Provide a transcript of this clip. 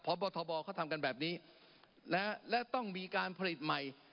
พบทบเขาทำกันแบบนี้และต้องมีการผลิตใหม่